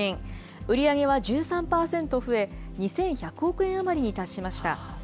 売り上げは１３％増え、２１００億円余りに達しました。